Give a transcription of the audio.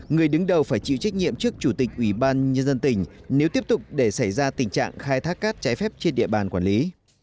người đứng đầu phải chịu trách nhiệm trước chủ tịch ủy ban nhân dân tỉnh nếu tiếp tục để xảy ra tình trạng khai thác cát trái phép trên địa bàn quản lý